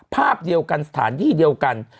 ภาพเดียวกันสถานที่เดียวกัน